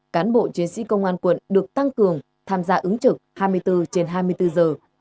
cán bộ chiến sĩ công an quận được tăng cường tham gia ứng trực hai mươi bốn trên hai mươi bốn giờ